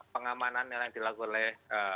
pengamanan yang dilakukan oleh